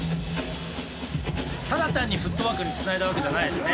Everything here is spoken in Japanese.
ただ単にフットワークにつないだわけじゃないですね。